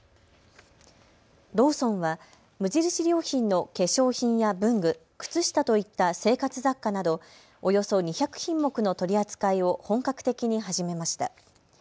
ローソンは無印良品の化粧品や文具、靴下といった生活雑貨などおよそ２００品目の取り扱いを本格的に始めました。